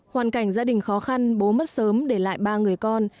hoàn cảnh gia đình khó khăn bố mất sớm để lại ba người con